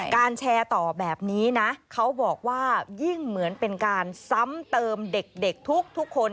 แชร์ต่อแบบนี้นะเขาบอกว่ายิ่งเหมือนเป็นการซ้ำเติมเด็กทุกคน